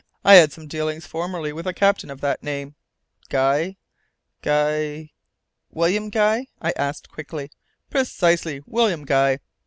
I had some dealings formerly with a captain of that name. Guy, Guy " "William Guy?" I asked, quickly. "Precisely. William Guy."